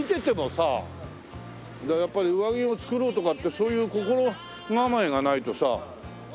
だからやっぱり上着を作ろうとかってそういう心構えがないとさ。